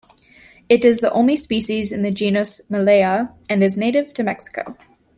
It is the only species in the genus Malea, and is native to Mexico.